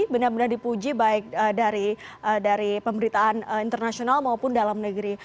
benar benar dipuji baik dari pemberitaan internasional maupun dalam negeri